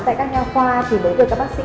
tại các nhà khoa thì mới được các bác sĩ